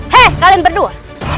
hei kalian berdua